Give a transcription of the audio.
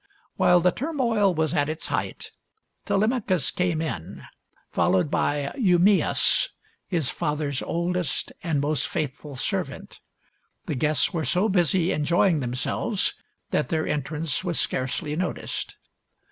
While the turmoil was at its height, Telemachus came in, followed by Eumaeus, his father's oldest and most faithful servant. The guests were so busy, enjoying themselves that their entrance was scarcely noticed.